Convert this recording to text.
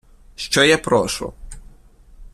Що я прошу?